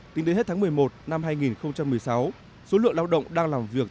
tính đến hết tháng một mươi một năm hai nghìn một mươi sáu số lượng lao động đang làm việc